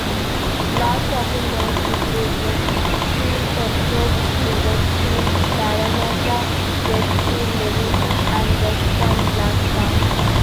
Large shopping malls include Westfield Penrith, Westfield Parramatta, Westfield Liverpool and Westpoint Blacktown.